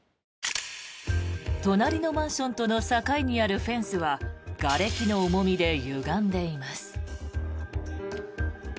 隣のマンションとの境にあるフェンスはがれきの重みでゆがんでいます。